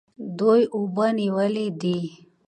دوی اوبه نیولې دي.